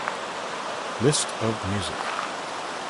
List of music.